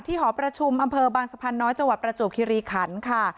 หอประชุมอำเภอบางสะพานน้อยจังหวัดประจวบคิริขันค่ะ